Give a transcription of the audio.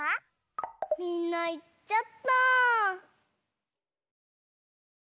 みんないっちゃった。